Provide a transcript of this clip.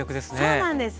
そうなんです。